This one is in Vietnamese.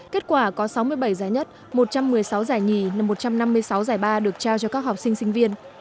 kết quả có sáu mươi bảy giải nhất một trăm một mươi sáu giải nhì và một trăm năm mươi sáu giải ba được trao cho các học sinh sinh viên